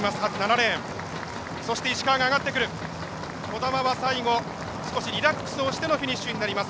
兒玉は最後、少しリラックスをしてのフィニッシュになります。